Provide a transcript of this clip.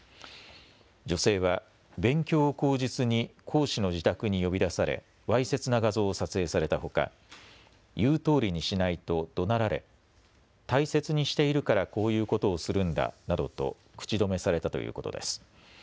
女性は勉強を口実に講師の自宅に呼び出され、わいせつな画像を撮影されたほか言うとおりにしないとどなられ大切にしているからこういうことをするんだなどと口止めされたということです。